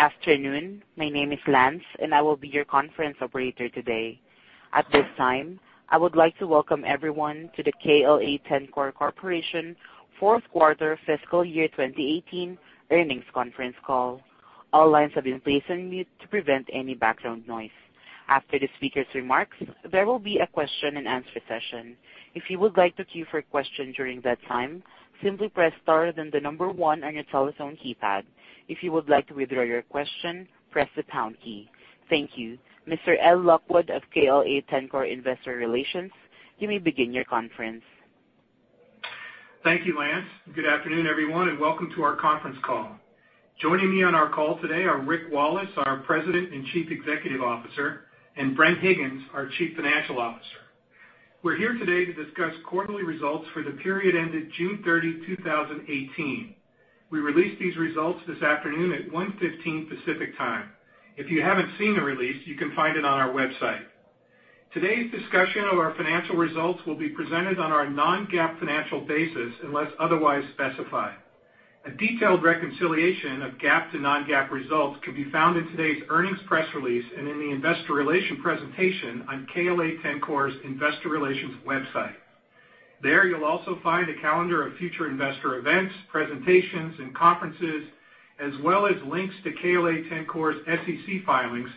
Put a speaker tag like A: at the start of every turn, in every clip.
A: Good afternoon. My name is Lance, and I will be your conference operator today. At this time, I would like to welcome everyone to the KLA-Tencor Corporation fourth quarter fiscal year 2018 earnings conference call. All lines have been placed on mute to prevent any background noise. After the speaker's remarks, there will be a question and answer session. If you would like to queue for a question during that time, simply press star then the number one on your telephone keypad. If you would like to withdraw your question, press the pound key. Thank you. Mr. Ed Lockwood of KLA-Tencor Investor Relations, you may begin your conference.
B: Thank you, Lance. Good afternoon, everyone, and welcome to our conference call. Joining me on our call today are Rick Wallace, our President and Chief Executive Officer, and Bren Higgins, our Chief Financial Officer. We're here today to discuss quarterly results for the period ended June 30, 2018. We released these results this afternoon at 1:15 P.M. Pacific Time. If you haven't seen the release, you can find it on our website. Today's discussion of our financial results will be presented on our non-GAAP financial basis unless otherwise specified. A detailed reconciliation of GAAP to non-GAAP results can be found in today's earnings press release and in the investor relation presentation on KLA-Tencor's investor relations website. There, you'll also find a calendar of future investor events, presentations, and conferences, as well as links to KLA-Tencor's SEC filings,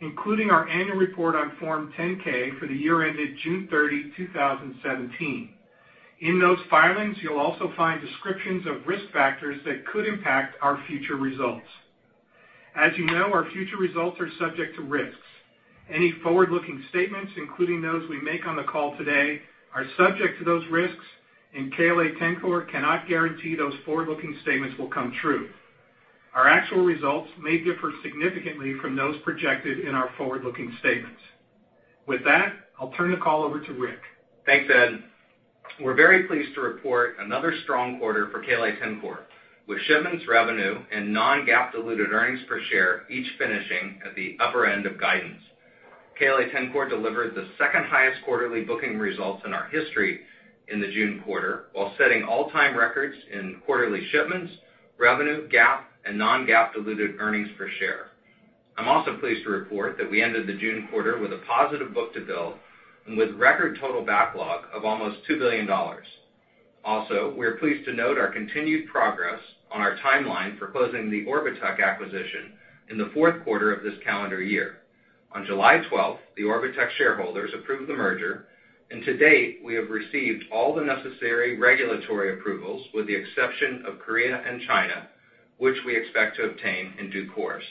B: including our annual report on Form 10-K for the year ended June 30, 2017. In those filings, you'll also find descriptions of risk factors that could impact our future results. As you know, our future results are subject to risks. Any forward-looking statements, including those we make on the call today, are subject to those risks, and KLA-Tencor cannot guarantee those forward-looking statements will come true. Our actual results may differ significantly from those projected in our forward-looking statements. With that, I'll turn the call over to Rick.
C: Thanks, Ed. We're very pleased to report another strong quarter for KLA-Tencor, with shipments revenue and non-GAAP diluted earnings per share each finishing at the upper end of guidance. KLA-Tencor delivered the second highest quarterly booking results in our history in the June quarter while setting all-time records in quarterly shipments, revenue, GAAP, and non-GAAP diluted earnings per share. I'm also pleased to report that we ended the June quarter with a positive book-to-bill and with record total backlog of almost $2 billion. We are pleased to note our continued progress on our timeline for closing the Orbotech acquisition in the fourth quarter of this calendar year. On July 12, the Orbotech shareholders approved the merger, and to date, we have received all the necessary regulatory approvals with the exception of Korea and China, which we expect to obtain in due course.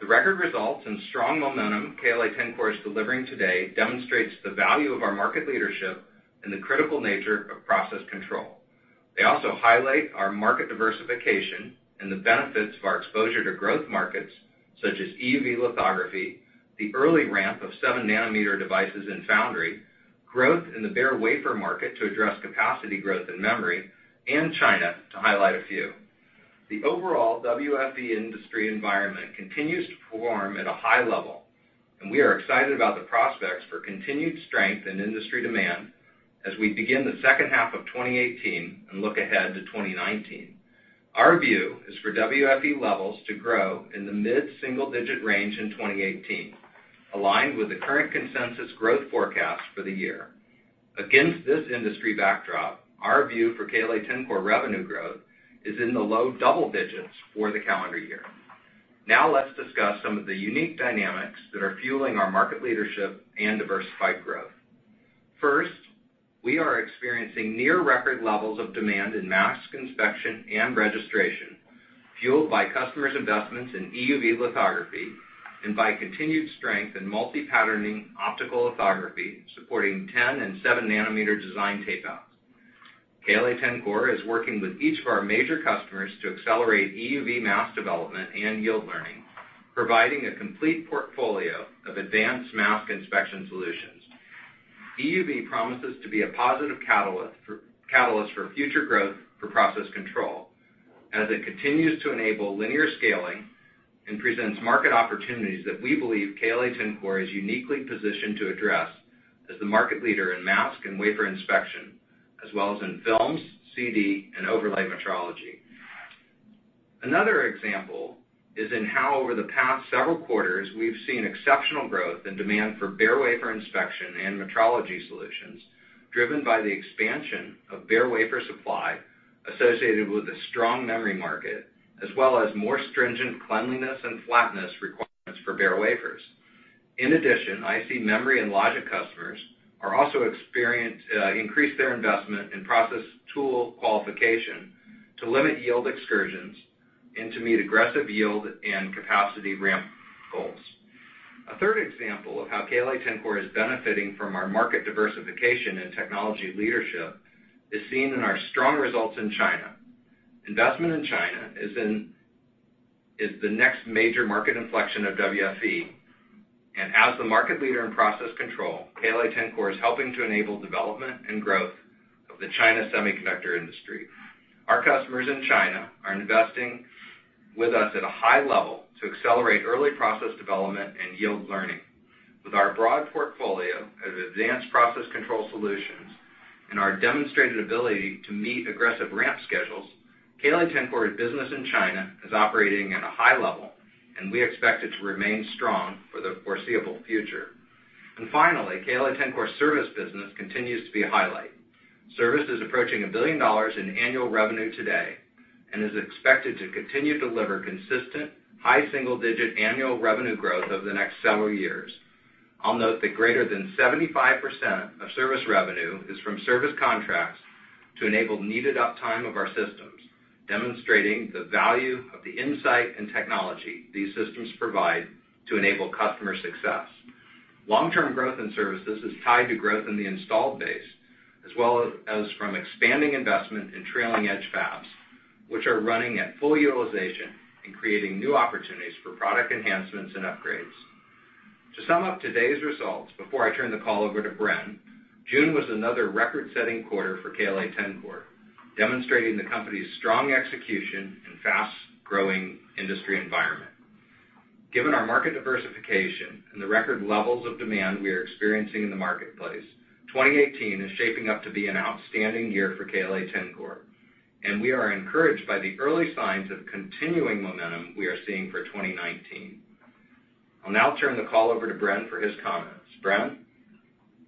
C: The record results and strong momentum KLA-Tencor's delivering today demonstrates the value of our market leadership and the critical nature of process control. They also highlight our market diversification and the benefits of our exposure to growth markets such as EUV lithography, the early ramp of 7 nanometer devices and foundry, growth in the bare wafer market to address capacity growth in memory, and China, to highlight a few. The overall WFE industry environment continues to perform at a high level, and we are excited about the prospects for continued strength in industry demand as we begin the second half of 2018 and look ahead to 2019. Our view is for WFE levels to grow in the mid-single-digit range in 2018, aligned with the current consensus growth forecast for the year. Against this industry backdrop, our view for KLA-Tencor revenue growth is in the low double-digits for the calendar year. Now let's discuss some of the unique dynamics that are fueling our market leadership and diversified growth. First, we are experiencing near record levels of demand in mask inspection and registration, fueled by customers' investments in EUV lithography and by continued strength in multi-patterning optical lithography supporting 10 and 7 nanometer design tapeouts. KLA-Tencor is working with each of our major customers to accelerate EUV mask development and yield learning, providing a complete portfolio of advanced mask inspection solutions. EUV promises to be a positive catalyst for future growth for process control as it continues to enable linear scaling and presents market opportunities that we believe KLA-Tencor is uniquely positioned to address as the market leader in mask and wafer inspection, as well as in films, CD, and overlay metrology. Another example is in how, over the past several quarters, we've seen exceptional growth and demand for bare wafer inspection and metrology solutions driven by the expansion of bare wafer supply associated with the strong memory market, as well as more stringent cleanliness and flatness requirements for bare wafers. In addition, IC memory and logic customers are also increased their investment in process tool qualification to limit yield excursions and to meet aggressive yield and capacity ramp goals. A third example of how KLA-Tencor is benefiting from our market diversification and technology leadership is seen in our strong results in China. Investment in China is the next major market inflection of WFE. As the market leader in process control, KLA-Tencor is helping to enable development and growth of the China semiconductor industry. Our customers in China are investing with us at a high level to accelerate early process development and yield learning. With our broad portfolio of advanced process control solutions, our demonstrated ability to meet aggressive ramp schedules, KLA-Tencor's business in China is operating at a high level, and we expect it to remain strong for the foreseeable future. Finally, KLA-Tencor service business continues to be a highlight. Service is approaching $1 billion in annual revenue today, and is expected to continue to deliver consistent high single-digit annual revenue growth over the next several years. I'll note that greater than 75% of service revenue is from service contracts to enable needed uptime of our systems, demonstrating the value of the insight and technology these systems provide to enable customer success. Long-term growth in services is tied to growth in the installed base, as well as from expanding investment in trailing edge fabs, which are running at full utilization and creating new opportunities for product enhancements and upgrades. To sum up today's results before I turn the call over to Bren, June was another record-setting quarter for KLA-Tencor, demonstrating the company's strong execution in fast-growing industry environment. Given our market diversification and the record levels of demand we are experiencing in the marketplace, 2018 is shaping up to be an outstanding year for KLA-Tencor, and we are encouraged by the early signs of continuing momentum we are seeing for 2019. I'll now turn the call over to Bren for his comments. Bren?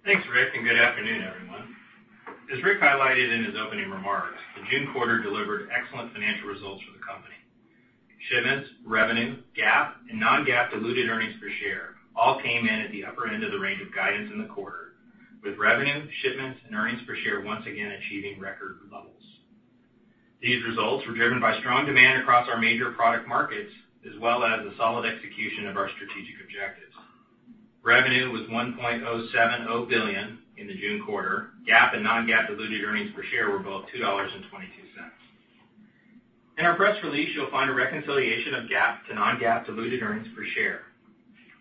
D: Thanks, Rick, and good afternoon, everyone. As Rick highlighted in his opening remarks, the June quarter delivered excellent financial results for the company. Shipments, revenue, GAAP, and non-GAAP diluted earnings per share all came in at the upper end of the range of guidance in the quarter, with revenue, shipments, and earnings per share once again achieving record levels. These results were driven by strong demand across our major product markets, as well as the solid execution of our strategic objectives. Revenue was $1.070 billion in the June quarter. GAAP and non-GAAP diluted earnings per share were both $2.22. In our press release, you'll find a reconciliation of GAAP to non-GAAP diluted earnings per share.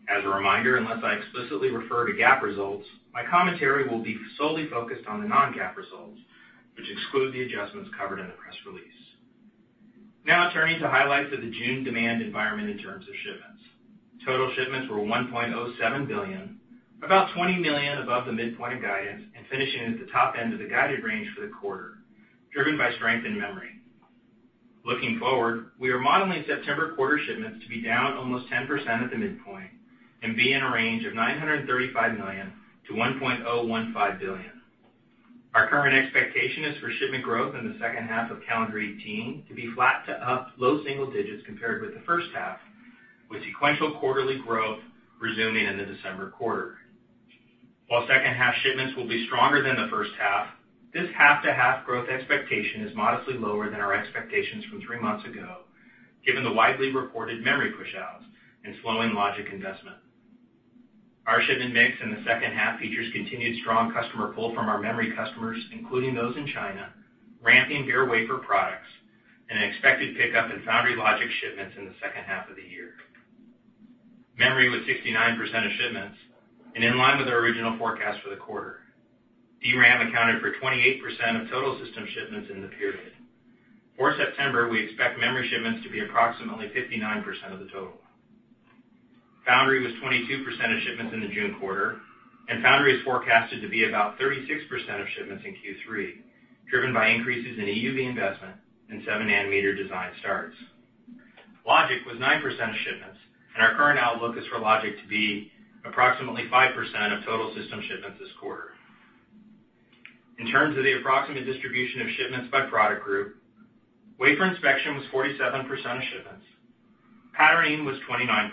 D: As a reminder, unless I explicitly refer to GAAP results, my commentary will be solely focused on the non-GAAP results, which exclude the adjustments covered in the press release. Now turning to highlights of the June demand environment in terms of shipments. Total shipments were $1.07 billion, about $20 million above the midpoint of guidance, and finishing at the top end of the guided range for the quarter, driven by strength in memory. Looking forward, we are modeling September quarter shipments to be down almost 10% at the midpoint and be in a range of $935 million-$1.015 billion. Our current expectation is for shipment growth in the second half of calendar 2018 to be flat to up low single digits compared with the first half, with sequential quarterly growth resuming in the December quarter. While second half shipments will be stronger than the first half, this half-to-half growth expectation is modestly lower than our expectations from three months ago, given the widely reported memory pushouts and slowing logic investment. Our shipment mix in the second half features continued strong customer pull from our memory customers, including those in China, ramping bare wafer products, and an expected pickup in foundry logic shipments in the second half of the year. Memory was 69% of shipments and in line with our original forecast for the quarter. DRAM accounted for 28% of total system shipments in the period. For September, we expect memory shipments to be approximately 59% of the total. Foundry was 22% of shipments in the June quarter, and foundry is forecasted to be about 36% of shipments in Q3, driven by increases in EUV investment and seven-nanometer design starts. Logic was 9% of shipments, and our current outlook is for logic to be approximately 5% of total system shipments this quarter. In terms of the approximate distribution of shipments by product group, wafer inspection was 47% of shipments. Patterning was 29%.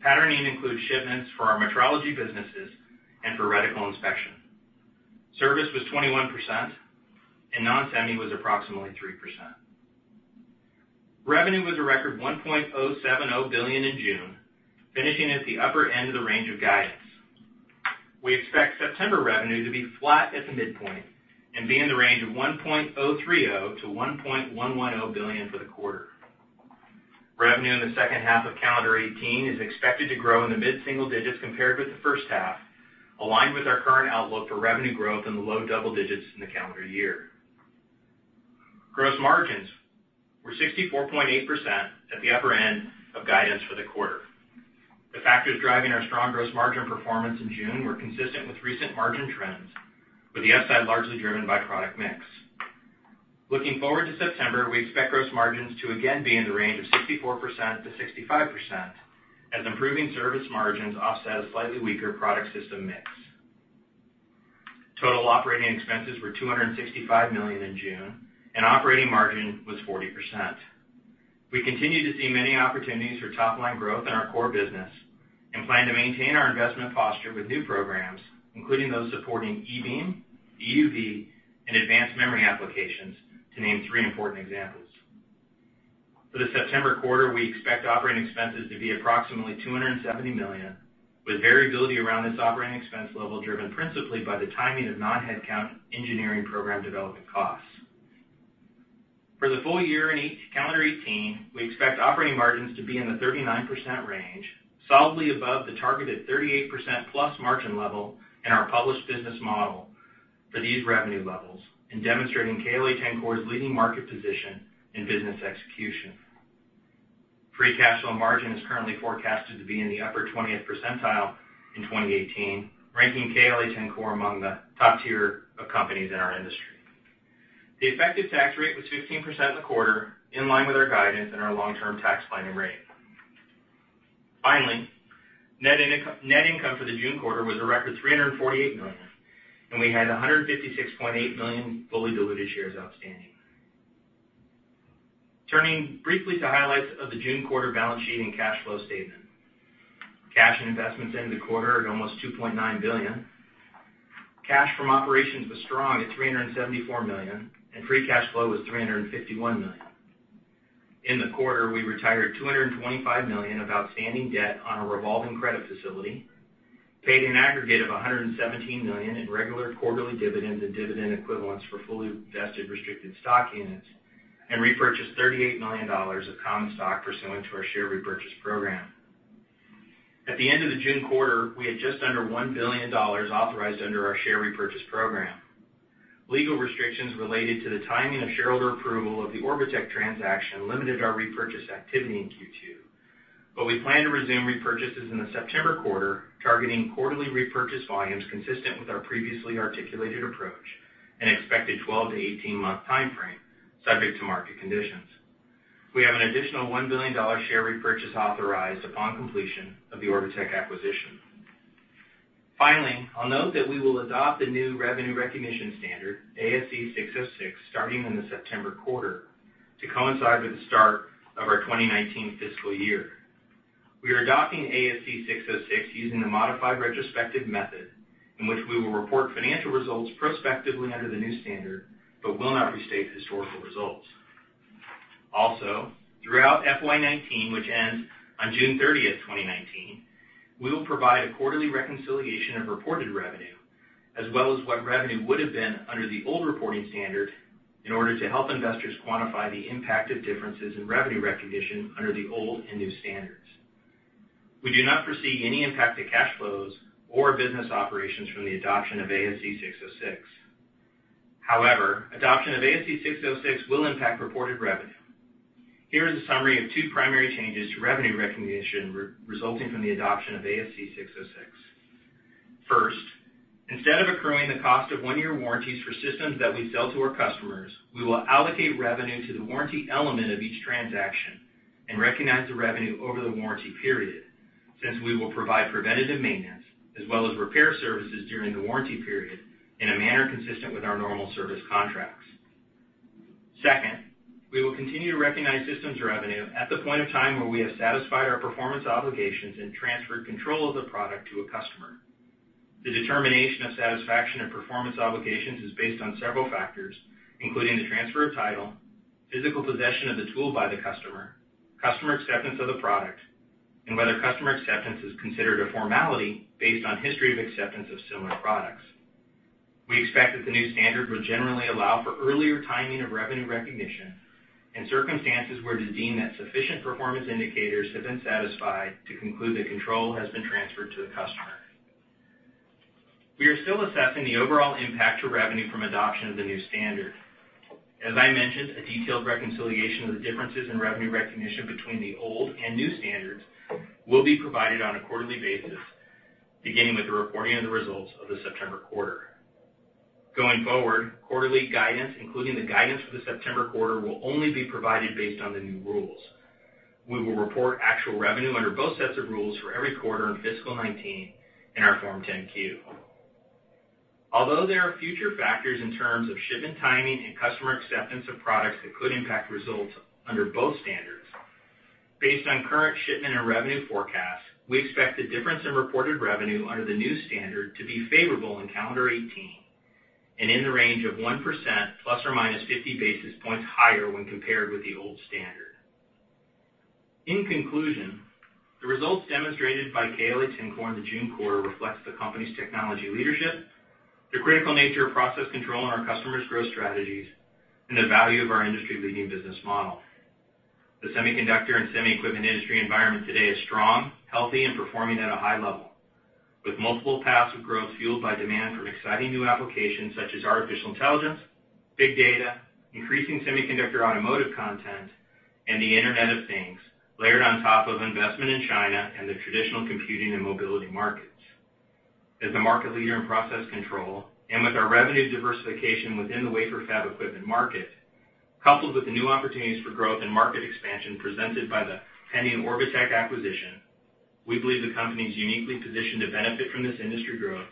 D: Patterning includes shipments for our metrology businesses and for reticle inspection. Service was 21%, and non-semi was approximately 3%. Revenue was a record $1.070 billion in June, finishing at the upper end of the range of guidance. We expect September revenue to be flat at the midpoint and be in the range of $1.030 billion-$1.110 billion for the quarter. Revenue in the second half of calendar 2018 is expected to grow in the mid-single digits compared with the first half, aligned with our current outlook for revenue growth in the low double digits in the calendar year. Gross margins were 64.8% at the upper end of guidance for the quarter. The factors driving our strong gross margin performance in June were consistent with recent margin trends, with the upside largely driven by product mix. Looking forward to September, we expect gross margins to again be in the range of 64%-65% as improving service margins offset a slightly weaker product system mix. Total operating expenses were $265 million in June, and operating margin was 40%. We continue to see many opportunities for top-line growth in our core business and plan to maintain our investment posture with new programs, including those supporting E-beam, EUV, and advanced memory applications, to name three important examples. For the September quarter, we expect operating expenses to be approximately $270 million, with variability around this operating expense level driven principally by the timing of non-headcount engineering program development costs. For the full year in calendar 2018, we expect operating margins to be in the 39% range, solidly above the targeted 38% plus margin level in our published business model for these revenue levels and demonstrating KLA-Tencor's leading market position and business execution. Free cash flow margin is currently forecasted to be in the upper 20th percentile in 2018, ranking KLA-Tencor among the top tier of companies in our industry. The effective tax rate was 15% in the quarter, in line with our guidance and our long-term tax planning rate. Finally, net income for the June quarter was a record $348 million, and we had 156.8 million fully diluted shares outstanding. Turning briefly to highlights of the June quarter balance sheet and cash flow statement. Cash and investments ended the quarter at almost $2.9 billion. Cash from operations was strong at $374 million, and free cash flow was $351 million. In the quarter, we retired $225 million of outstanding debt on a revolving credit facility, paid an aggregate of $117 million in regular quarterly dividends and dividend equivalents for fully vested restricted stock units, and repurchased $38 million of common stock pursuant to our share repurchase program. At the end of the June quarter, we had just under $1 billion authorized under our share repurchase program. Legal restrictions related to the timing of shareholder approval of the Orbotech transaction limited our repurchase activity in Q2, but we plan to resume repurchases in the September quarter, targeting quarterly repurchase volumes consistent with our previously articulated approach and expected 12-18 month timeframe, subject to market conditions. We have an additional $1 billion share repurchase authorized upon completion of the Orbotech acquisition. I'll note that we will adopt the new revenue recognition standard, ASC 606, starting in the September quarter to coincide with the start of our 2019 fiscal year. We are adopting ASC 606 using the modified retrospective method, in which we will report financial results prospectively under the new standard, but will not restate the historical results. Throughout FY 2019, which ends on June 30th, 2019, we will provide a quarterly reconciliation of reported revenue, as well as what revenue would have been under the old reporting standard in order to help investors quantify the impact of differences in revenue recognition under the old and new standards. We do not foresee any impact to cash flows or business operations from the adoption of ASC 606. However, adoption of ASC 606 will impact reported revenue. Here is a summary of two primary changes to revenue recognition resulting from the adoption of ASC 606. First, instead of accruing the cost of one-year warranties for systems that we sell to our customers, we will allocate revenue to the warranty element of each transaction and recognize the revenue over the warranty period, since we will provide preventative maintenance as well as repair services during the warranty period in a manner consistent with our normal service contracts. Second, we will continue to recognize systems revenue at the point in time where we have satisfied our performance obligations and transferred control of the product to a customer. The determination of satisfaction of performance obligations is based on several factors, including the transfer of title, physical possession of the tool by the customer acceptance of the product, and whether customer acceptance is considered a formality based on history of acceptance of similar products. We expect that the new standard will generally allow for earlier timing of revenue recognition in circumstances where it is deemed that sufficient performance indicators have been satisfied to conclude that control has been transferred to the customer. We are still assessing the overall impact to revenue from adoption of the new standard. As I mentioned, a detailed reconciliation of the differences in revenue recognition between the old and new standards will be provided on a quarterly basis, beginning with the reporting of the results of the September quarter. Going forward, quarterly guidance, including the guidance for the September quarter, will only be provided based on the new rules. We will report actual revenue under both sets of rules for every quarter in fiscal 2019 in our Form 10-Q. Although there are future factors in terms of shipment timing and customer acceptance of products that could impact results under both standards, based on current shipment and revenue forecasts, we expect the difference in reported revenue under the new standard to be favorable in calendar 2018 and in the range of 1% ± 50 basis points higher when compared with the old standard. The results demonstrated by KLA-Tencor in the June quarter reflects the company's technology leadership, the critical nature of process control on our customers' growth strategies, and the value of our industry-leading business model. The semiconductor and semi-equipment industry environment today is strong, healthy, and performing at a high level, with multiple paths of growth fueled by demand from exciting new applications such as artificial intelligence, big data, increasing semiconductor automotive content, and the Internet of Things, layered on top of investment in China and the traditional computing and mobility markets. As the market leader in process control, and with our revenue diversification within the wafer fab equipment market, coupled with the new opportunities for growth and market expansion presented by the pending Orbotech acquisition, we believe the company is uniquely positioned to benefit from this industry growth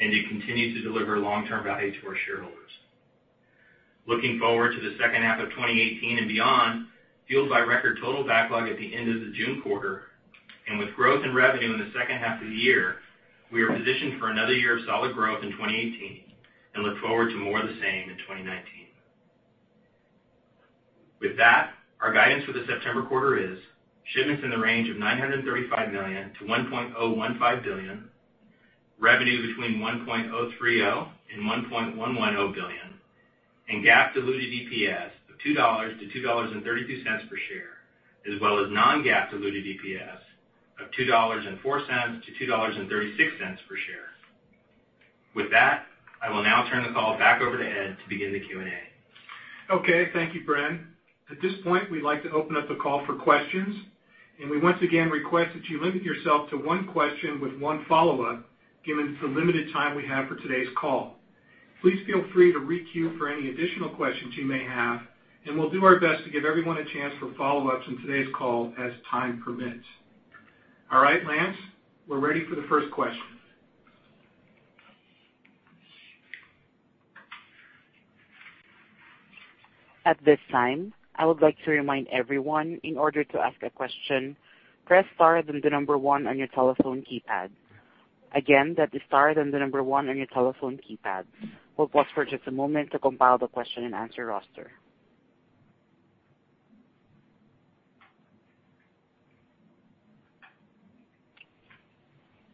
D: and to continue to deliver long-term value to our shareholders. Looking forward to the second half of 2018 and beyond, fueled by record total backlog at the end of the June quarter, we are positioned for another year of solid growth in 2018 and look forward to more of the same in 2019. With that, our guidance for the September quarter is shipments in the range of $935 million-$1.015 billion, revenue between $1.030 billion and $1.110 billion, and GAAP diluted EPS of $2-$2.32 per share, as well as non-GAAP diluted EPS of $2.04-$2.36 per share. With that, I will now turn the call back over to Ed to begin the Q&A.
B: Okay. Thank you, Bren. At this point, we'd like to open up the call for questions. We once again request that you limit yourself to one question with one follow-up, given the limited time we have for today's call. Please feel free to re-queue for any additional questions you may have, and we'll do our best to give everyone a chance for follow-ups on today's call as time permits. All right, Lance, we're ready for the first question.
A: At this time, I would like to remind everyone, in order to ask a question, press star then the number one on your telephone keypad. Again, that is star then the number one on your telephone keypad. We'll pause for just a moment to compile the question-and-answer roster.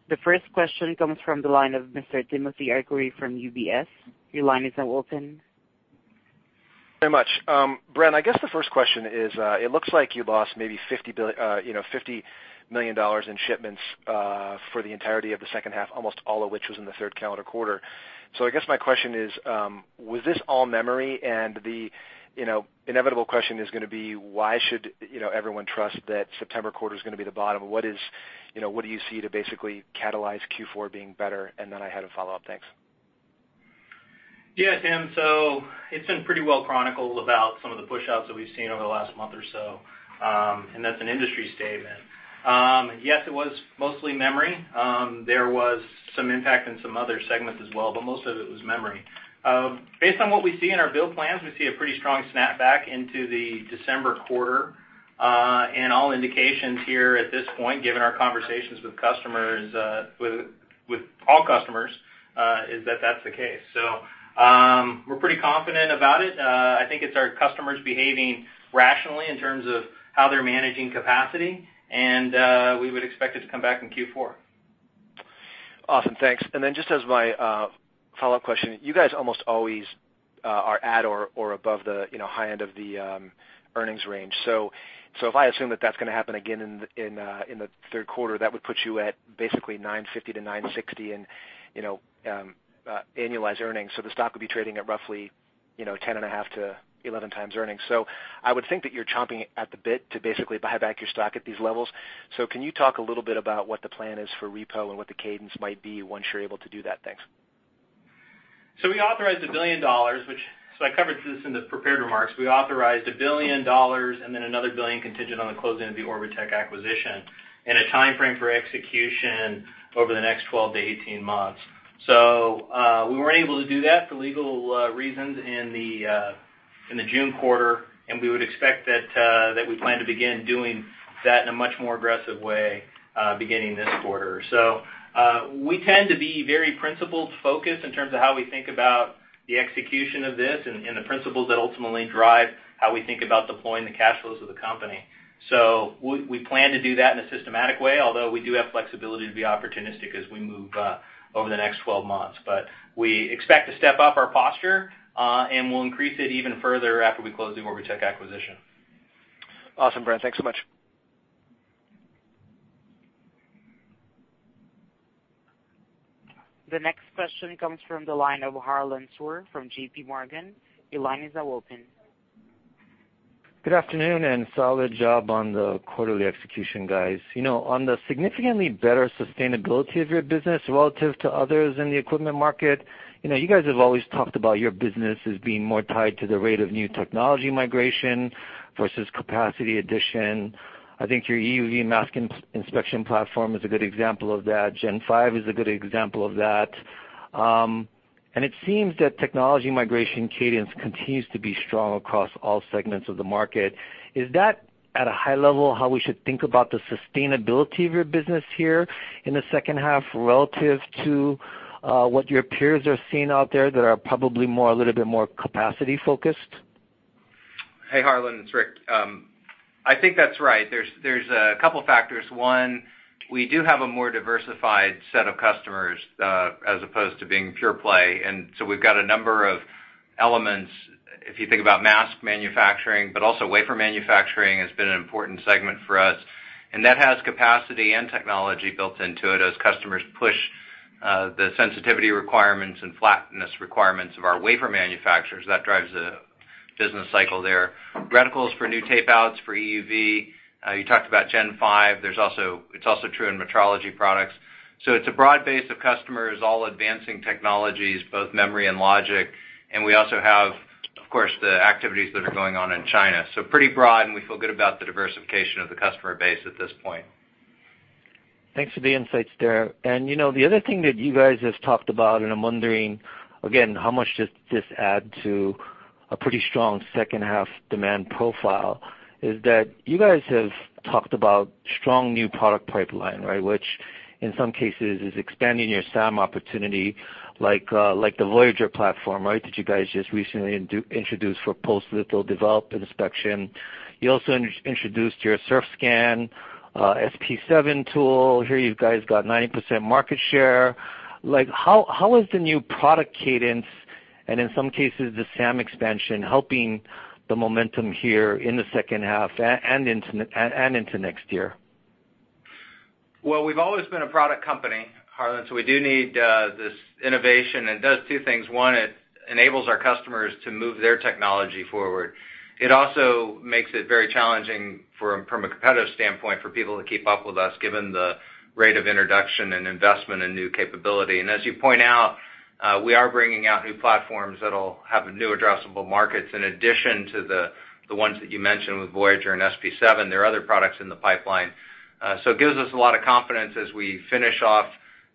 A: The first question comes from the line of Mr. Timothy Arcuri from UBS. Your line is now open.
E: Very much. Bren, I guess the first question is, it looks like you lost maybe $50 million in shipments for the entirety of the second half, almost all of which was in the third calendar quarter. I guess my question is, was this all memory? The inevitable question is going to be, why should everyone trust that September quarter is going to be the bottom? What do you see to basically catalyze Q4 being better? I had a follow-up. Thanks.
D: Yeah, Tim. It's been pretty well chronicled about some of the pushouts that we've seen over the last month or so, and that's an industry statement. Yes, it was mostly memory. There was some impact in some other segments as well, but most of it was memory. Based on what we see in our build plans, we see a pretty strong snapback into the December quarter. All indications here at this point, given our conversations with all customers, is that that's the case. We're pretty confident about it. I think it's our customers behaving rationally in terms of how they're managing capacity, and we would expect it to come back in Q4.
E: Awesome. Thanks. Just as my follow-up question, you guys almost always are at or above the high end of the earnings range. If I assume that that's going to happen again in the third quarter, that would put you at basically $950-$960 in annualized earnings. The stock would be trading at roughly 10.5 to 11 times earnings. I would think that you're chomping at the bit to basically buy back your stock at these levels. Can you talk a little bit about what the plan is for repo and what the cadence might be once you're able to do that? Thanks.
D: We authorized $1 billion, which I covered this in the prepared remarks. We authorized $1 billion and then another $1 billion contingent on the closing of the Orbotech acquisition and a timeframe for execution over the next 12-18 months. We weren't able to do that for legal reasons in the June quarter, we would expect that we plan to begin doing that in a much more aggressive way, beginning this quarter. We tend to be very principled focused in terms of how we think about the execution of this and the principles that ultimately drive how we think about deploying the cash flows of the company. We plan to do that in a systematic way, although we do have flexibility to be opportunistic as we move over the next 12 months. We expect to step up our posture, and we'll increase it even further after we close the Orbotech acquisition.
E: Awesome, Bren. Thanks so much.
A: The next question comes from the line of Harlan Sur from JP Morgan. Your line is now open.
F: Good afternoon, solid job on the quarterly execution, guys. On the significantly better sustainability of your business relative to others in the equipment market, you guys have always talked about your business as being more tied to the rate of new technology migration versus capacity addition. I think your EUV mask inspection platform is a good example of that. Gen 5 is a good example of that. It seems that technology migration cadence continues to be strong across all segments of the market. Is that at a high level how we should think about the sustainability of your business here in the second half relative to what your peers are seeing out there that are probably a little bit more capacity focused?
C: Hey, Harlan, it's Rick. I think that's right. There's a couple factors. One, we do have a more diversified set of customers, as opposed to being pure play. We've got a number of elements. If you think about mask manufacturing, but also wafer manufacturing has been an important segment for us, and that has capacity and technology built into it as customers push the sensitivity requirements and flatness requirements of our wafer manufacturers. That drives the business cycle there. Reticles for new tape-outs for EUV. You talked about Gen 5. It's also true in metrology products. It's a broad base of customers, all advancing technologies, both memory and logic. We also have, of course, the activities that are going on in China. Pretty broad, and we feel good about the diversification of the customer base at this point.
F: Thanks for the insights there. The other thing that you guys have talked about, and I'm wondering again how much does this add to a pretty strong second half demand profile, is that you guys have talked about strong new product pipeline, right? Which in some cases is expanding your SAM opportunity, like the Voyager platform, right, that you guys just recently introduced for post-litho development inspection. You also introduced your Surfscan SP7 tool. Here you guys got 90% market share. How is the new product cadence, and in some cases the SAM expansion, helping the momentum here in the second half and into next year?
C: Well, we've always been a product company, Harlan, we do need this innovation. It does two things. One, it enables our customers to move their technology forward. It also makes it very challenging from a competitive standpoint for people to keep up with us, given the rate of introduction and investment in new capability. As you point out, we are bringing out new platforms that'll have new addressable markets in addition to the ones that you mentioned with Voyager and SP7. There are other products in the pipeline. It gives us a lot of confidence as we finish off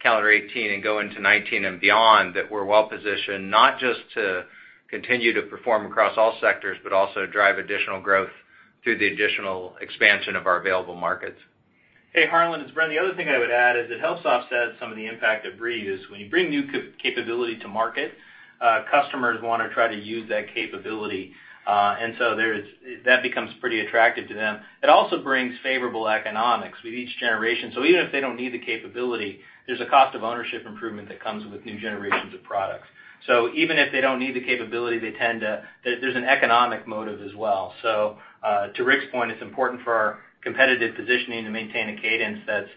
C: calendar 2018 and go into 2019 and beyond, that we're well-positioned not just to continue to perform across all sectors, but also drive additional growth through the additional expansion of our available markets.
D: Hey, Harlan, it's Bren. The other thing I would add is it helps offset some of the impact of [reuse]. When you bring new capability to market, customers want to try to use that capability. That becomes pretty attractive to them. It also brings favorable economics with each generation. Even if they don't need the capability, there's a cost of ownership improvement that comes with new generations of products. Even if they don't need the capability, there's an economic motive as well. To Rick's point, it's important for our competitive positioning to maintain a cadence that's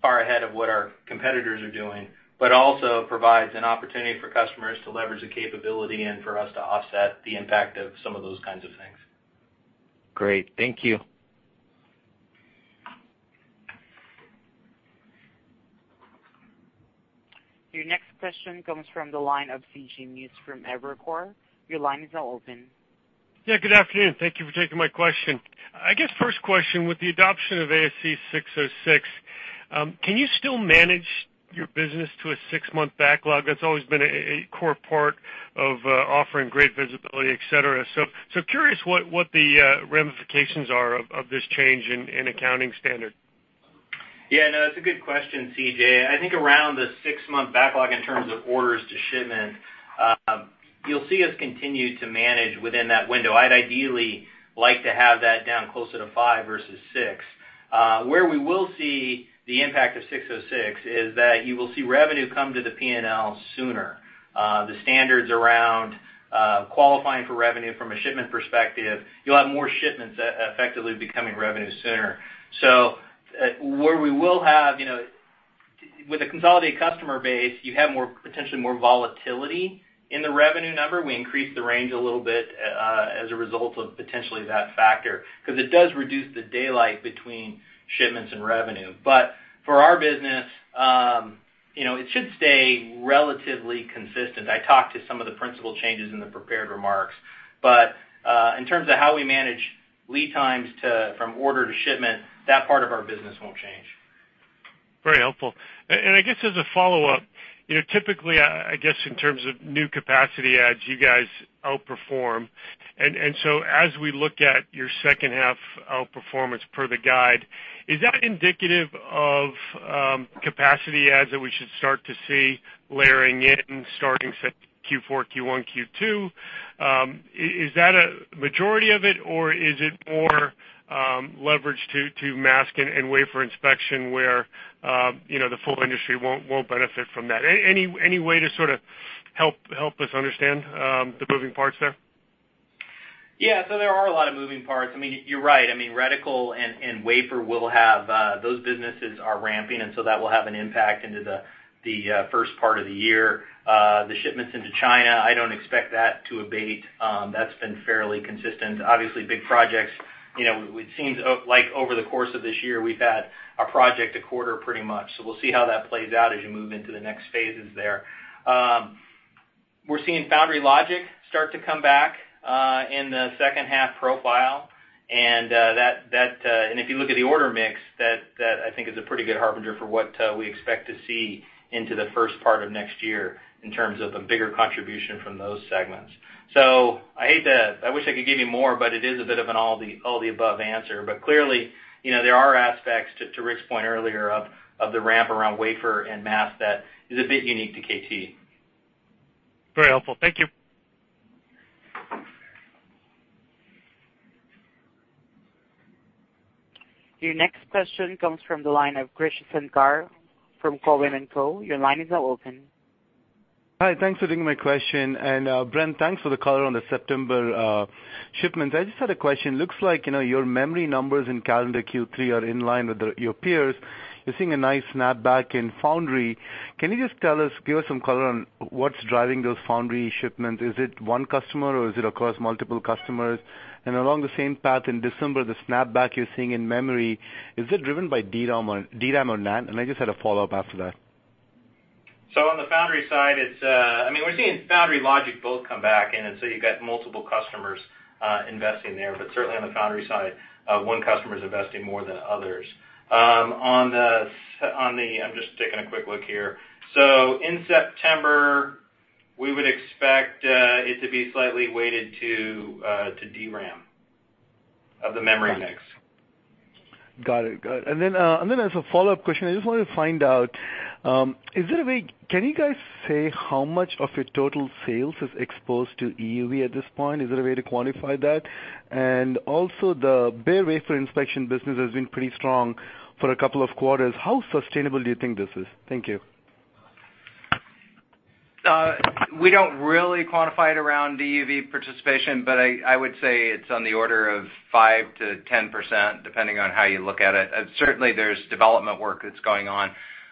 D: far ahead of what our competitors are doing, but also provides an opportunity for customers to leverage the capability and for us to offset the impact of some of those kinds of things.
F: Great. Thank you.
A: Your next question comes from the line of CJ Muse from Evercore. Your line is now open.
G: Yeah, good afternoon. Thank you for taking my question. I guess first question, with the adoption of ASC 606, can you still manage your business to a six-month backlog? That's always been a core part of offering great visibility, et cetera. Curious what the ramifications are of this change in accounting standard.
D: Yeah, no, that's a good question, CJ. I think around the six-month backlog in terms of orders to shipment, you'll see us continue to manage within that window. I'd ideally like to have that down closer to five versus six. Where we will see the impact of 606 is that you will see revenue come to the P&L sooner. The standards around qualifying for revenue from a shipment perspective, you'll have more shipments effectively becoming revenue sooner. With a consolidated customer base, you have potentially more volatility in the revenue number. We increased the range a little bit as a result of potentially that factor, because it does reduce the daylight between shipments and revenue. For our business, it should stay relatively consistent. I talked to some of the principal changes in the prepared remarks. In terms of how we manage lead times from order to shipment, that part of our business won't change.
G: Very helpful. I guess as a follow-up, typically, I guess in terms of new capacity adds, you guys outperform. As we look at your second half outperformance per the guide, is that indicative of capacity adds that we should start to see layering in starting say Q4, Q1, Q2? Is that a majority of it or is it more leverage to mask and wafer inspection where the full industry won't benefit from that? Any way to sort of help us understand the moving parts there?
D: There are a lot of moving parts. You're right. Reticle and wafer, those businesses are ramping, that will have an impact into the first part of the year. The shipments into China, I don't expect that to abate. That's been fairly consistent. Obviously, big projects. It seems like over the course of this year, we've had a project a quarter pretty much. We'll see how that plays out as you move into the next phases there. We're seeing foundry logic start to come back in the second half profile. If you look at the order mix, that I think is a pretty good harbinger for what we expect to see into the first part of next year in terms of a bigger contribution from those segments. I wish I could give you more, but it is a bit of an all the above answer. Clearly, there are aspects, to Rick's point earlier, of the ramp around wafer and mask that is a bit unique to KLA.
G: Very helpful. Thank you.
A: Your next question comes from the line of Krish Sankar from Cowen and Company. Your line is now open.
H: Hi, thanks for taking my question. Bren, thanks for the color on the September shipments. I just had a question. Looks like your memory numbers in calendar Q3 are in line with your peers. You're seeing a nice snapback in foundry. Can you just give us some color on what's driving those foundry shipments? Is it one customer, or is it across multiple customers? Along the same path, in December, the snapback you're seeing in memory, is it driven by DRAM or NAND? I just had a follow-up after that.
D: On the foundry side, we're seeing foundry logic both come back, you've got multiple customers investing there. Certainly on the foundry side, one customer is investing more than others. I'm just taking a quick look here. In September, we would expect it to be slightly weighted to DRAM of the memory mix.
H: Got it. Good. As a follow-up question, I just wanted to find out, can you guys say how much of your total sales is exposed to EUV at this point? Is there a way to quantify that? The bare wafer inspection business has been pretty strong for a couple of quarters. How sustainable do you think this is? Thank you.
C: We don't really quantify it around EUV participation, but I would say it's on the order of 5%-10%, depending on how you look at it. Certainly, there's development work that's going on.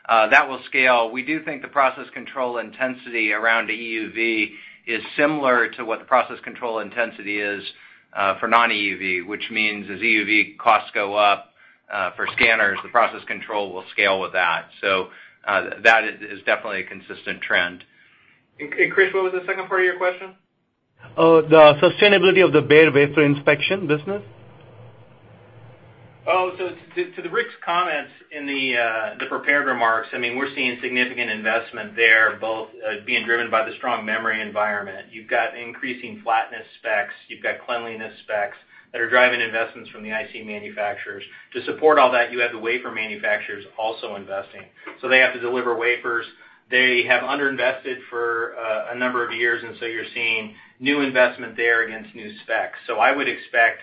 C: That will scale. We do think the process control intensity around EUV is similar to what the process control intensity is for non-EUV, which means as EUV costs go up for scanners, the process control will scale with that. That is definitely a consistent trend. Krish, what was the second part of your question?
H: The sustainability of the bare wafer inspection business.
D: To Rick's comments in the prepared remarks, we're seeing significant investment there, both being driven by the strong memory environment. You've got increasing flatness specs, you've got cleanliness specs that are driving investments from the IC manufacturers. To support all that, you have the wafer manufacturers also investing. They have to deliver wafers. They have under-invested for a number of years, you're seeing new investment there against new specs. I would expect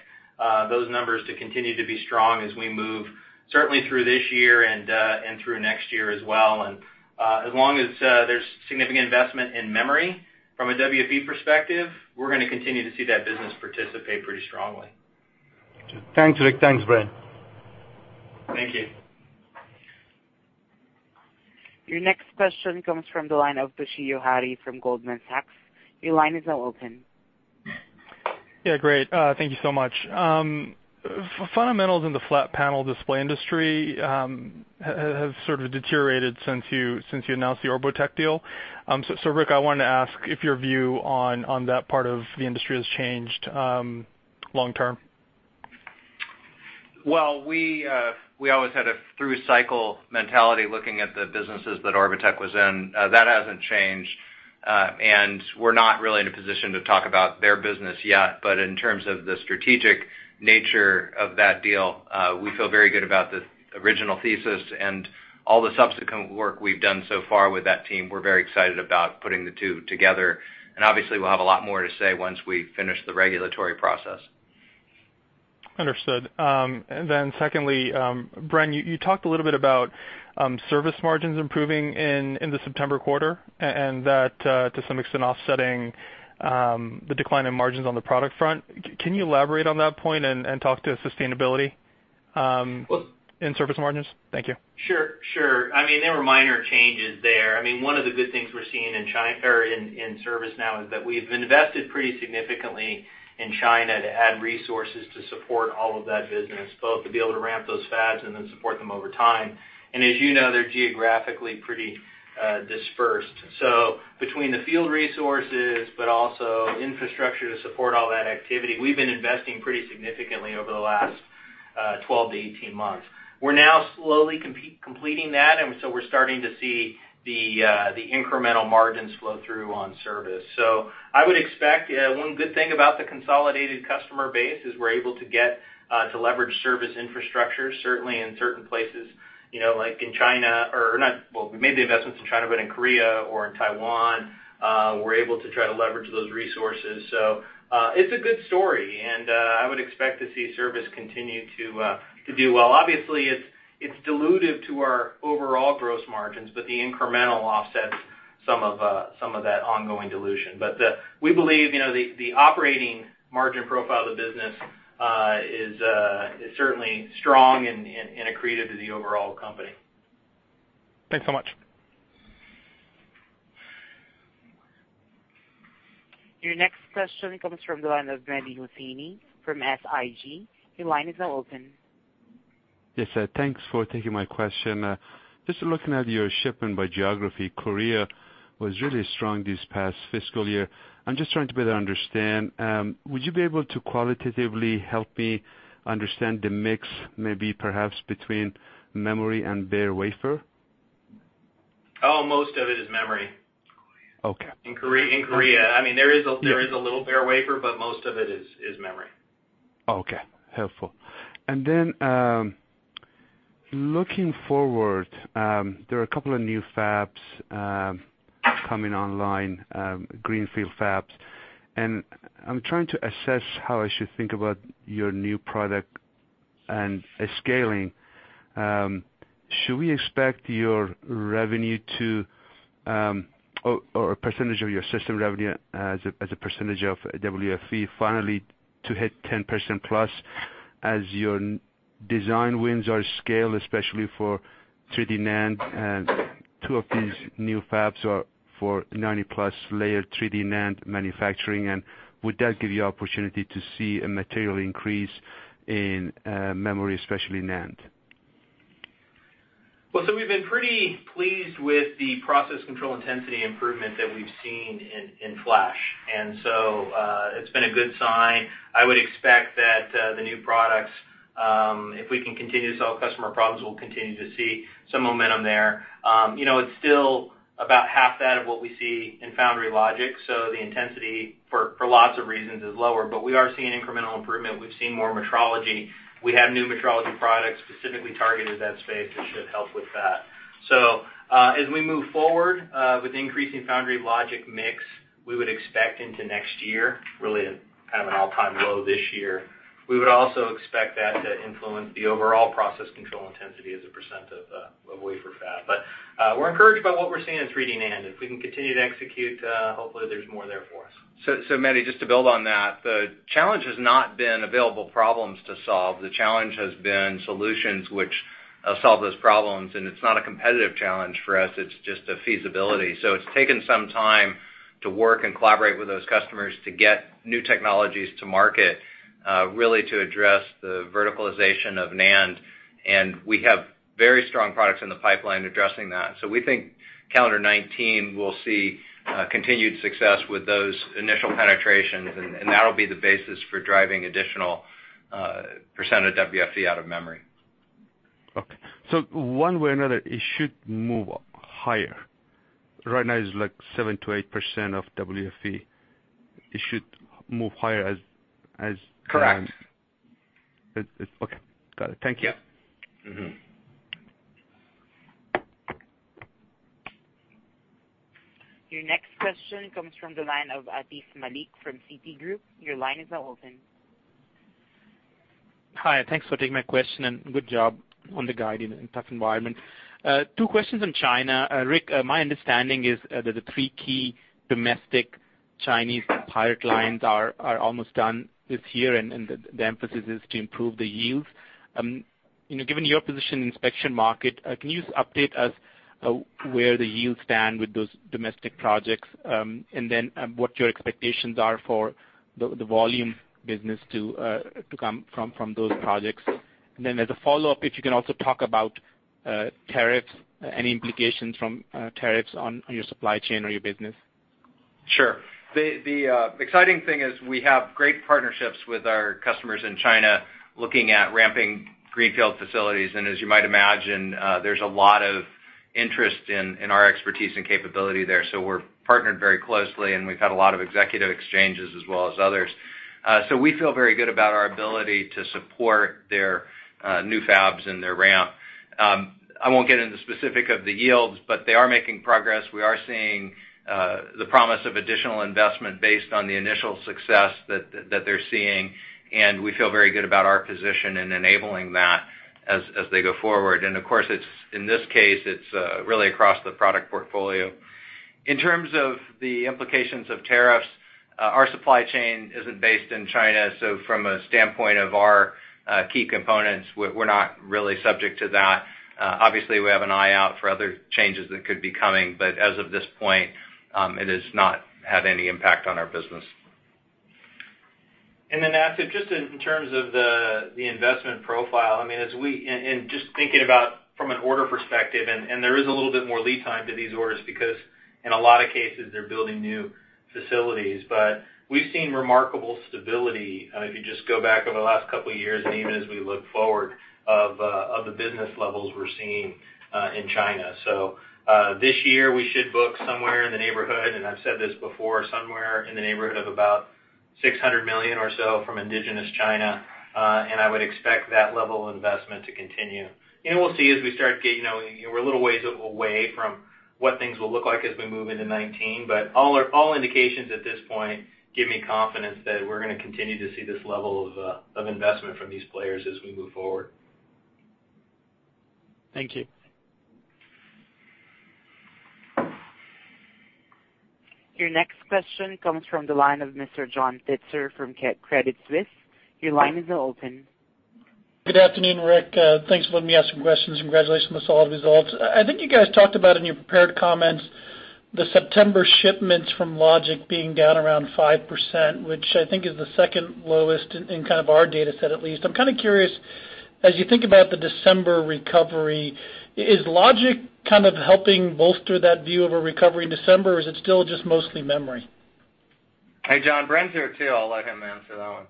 D: those numbers to continue to be strong as we move certainly through this year and through next year as well. As long as there's significant investment in memory from a WFE perspective, we're going to continue to see that business participate pretty strongly.
H: Thanks, Rick. Thanks, Bren.
C: Thank you.
A: Your next question comes from the line of Toshiya Hari from Goldman Sachs. Your line is now open.
I: Yeah, great. Thank you so much. Fundamentals in the flat panel display industry have sort of deteriorated since you announced the Orbotech deal. Rick, I wanted to ask if your view on that part of the industry has changed long term.
C: Well, we always had a through-cycle mentality looking at the businesses that Orbotech was in. That hasn't changed. We're not really in a position to talk about their business yet. In terms of the strategic nature of that deal, we feel very good about the original thesis and all the subsequent work we've done so far with that team. We're very excited about putting the two together. Obviously, we'll have a lot more to say once we finish the regulatory process.
I: Understood. Secondly, Bren, you talked a little bit about service margins improving in the September quarter, that to some extent offsetting the decline in margins on the product front. Can you elaborate on that point and talk to sustainability in service margins? Thank you.
D: Sure. There were minor changes there. One of the good things we're seeing in service now is that we've invested pretty significantly in China to add resources to support all of that business, both to be able to ramp those fabs and then support them over time. As you know, they're geographically pretty dispersed. Between the field resources, but also infrastructure to support all that activity, we've been investing pretty significantly over the last 12 to 18 months. We're now slowly completing that, we're starting to see the incremental margins flow through on service. I would expect, one good thing about the consolidated customer base is we're able to leverage service infrastructure, certainly in certain places like in China, or not, well, we made the investments in China, but in Korea or in Taiwan, we're able to try to leverage those resources. It's a good story, I would expect to see service continue to do well. Obviously, it's dilutive to our overall gross margins, the incremental offsets some of that ongoing dilution. We believe, the operating margin profile of the business is certainly strong and accretive to the overall company.
I: Thanks so much.
A: Your next question comes from the line of Mehdi Hosseini from SIG. Your line is now open.
J: Yes. Thanks for taking my question. Just looking at your shipping by geography, Korea was really strong this past fiscal year. I'm just trying to better understand. Would you be able to qualitatively help me understand the mix, maybe perhaps between memory and bare wafer?
C: Most of it is memory.
J: Okay.
C: In Korea. There is a little bare wafer, but most of it is memory.
J: Okay. Helpful. Looking forward, there are a couple of new fabs coming online, greenfield fabs, and I'm trying to assess how I should think about your new product and scaling. Should we expect your revenue to, or a percentage of your system revenue as a percentage of WFE finally to hit 10% plus as your design wins are scaled, especially for 3D NAND and two of these new fabs are for 90-plus layer 3D NAND manufacturing? Would that give you opportunity to see a material increase in memory, especially NAND?
C: We've been pretty pleased with the process control intensity improvement that we've seen in flash. It's been a good sign. I would expect that the new products, if we can continue to solve customer problems, we'll continue to see some momentum there. It's still about half that of what we see in foundry logic, so the intensity for lots of reasons, is lower, but we are seeing incremental improvement. We've seen more metrology. We have new metrology products specifically targeted at that space that should help with that. As we move forward with increasing foundry logic mix, we would expect into next year, really at kind of an all-time low this year. We would also expect that to influence the overall process control intensity as a % of wafer. We're encouraged by what we're seeing in 3D NAND. If we can continue to execute, hopefully there's more there for us. Mehdi, just to build on that, the challenge has not been available problems to solve. The challenge has been solutions which solve those problems. It's not a competitive challenge for us, it's just a feasibility. It's taken some time to work and collaborate with those customers to get new technologies to market, really to address the verticalization of NAND, and we have very strong products in the pipeline addressing that. We think calendar 2019 will see continued success with those initial penetrations, and that'll be the basis for driving additional percentage of WFE out of memory.
J: Okay. One way or another, it should move higher. Right now it's like 7%-8% of WFE.
C: Correct.
J: Okay. Got it. Thank you.
C: Yeah. Mm-hmm.
A: Your next question comes from the line of Atif Malik from Citi Group. Your line is now open.
K: Hi, thanks for taking my question, and good job on the guide in a tough environment. Two questions on China. Rick, my understanding is that the three key domestic Chinese hired clients are almost done this year, and the emphasis is to improve the yield. Given your position in the inspection market, can you update us where the yields stand with those domestic projects, then what your expectations are for the volume business to come from those projects? As a follow-up, if you can also talk about tariffs, any implications from tariffs on your supply chain or your business?
C: Sure. The exciting thing is we have great partnerships with our customers in China looking at ramping greenfield facilities. As you might imagine, there's a lot of interest in our expertise and capability there. We're partnered very closely, and we've had a lot of executive exchanges as well as others. We feel very good about our ability to support their new fabs and their ramp. I won't get into specific of the yields, but they are making progress. We are seeing the promise of additional investment based on the initial success that they're seeing, and we feel very good about our position in enabling that as they go forward. Of course, in this case, it's really across the product portfolio. In terms of the implications of tariffs, our supply chain isn't based in China, so from a standpoint of our key components, we're not really subject to that. Obviously, we have an eye out for other changes that could be coming, but as of this point, it has not had any impact on our business. Atif, just in terms of the investment profile, just thinking about from an order perspective, there is a little bit more lead time to these orders because in a lot of cases, they're building new facilities. We've seen remarkable stability, if you just go back over the last couple of years, and even as we look forward, of the business levels we're seeing in China. This year we should book, and I've said this before, somewhere in the neighborhood of about $600 million or so from indigenous China, I would expect that level of investment to continue. We'll see as we start getting, we're a little ways away from what things will look like as we move into 2019.
D: All indications at this point give me confidence that we're going to continue to see this level of investment from these players as we move forward.
K: Thank you.
A: Your next question comes from the line of Mr. John Pitzer from Credit Suisse. Your line is now open.
L: Good afternoon, Rick. Thanks for letting me ask some questions. Congratulations on the solid results. I think you guys talked about in your prepared comments, the September shipments from Logic being down around 5%, which I think is the second lowest in kind of our data set at least. I'm kind of curious, as you think about the December recovery, is Logic kind of helping bolster that view of a recovery in December, or is it still just mostly memory?
C: Hey, John, Bren's here too. I'll let him answer that one.